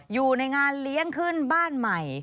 อยู่ในงานเลี้ยงขึ้นบ้านใหม่